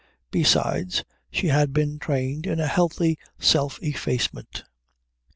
Besides, she had been trained in a healthy self effacement.